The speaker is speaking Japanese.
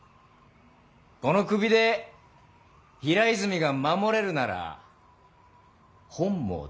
この首で平泉が守れるなら本望だ。